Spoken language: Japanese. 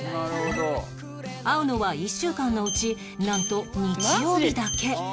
会うのは１週間のうちなんと日曜日だけ